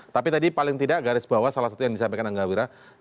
tapi tadi paling tidak garis bawah salah satu yang disampaikan angga wira